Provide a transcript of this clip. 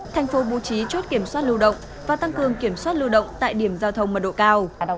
thành phố bố trí chốt kiểm soát lưu động và tăng cường kiểm soát lưu động tại điểm giao thông mật độ cao